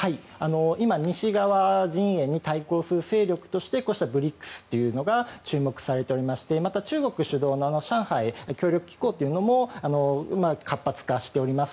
今、西側陣営に対抗する勢力としてこうしたＢＲＩＣＳというのが注目されておりましてまた、中国主導の上海協力機構というのも活発化しております。